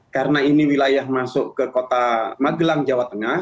karena ini wilayah masuk ke kota magelang jawa tengah